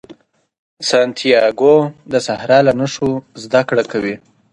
سانتیاګو د صحرا له نښو زده کړه کوي.